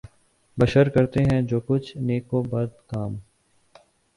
بشر کرتے ہیں جو کچھ نیک و بد کام